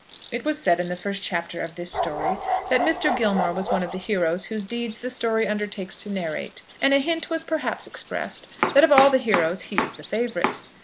It was said in the first chapter of this story that Mr. Gilmore was one of the heroes whose deeds the story undertakes to narrate, and a hint was perhaps expressed that of all the heroes he was the favourite.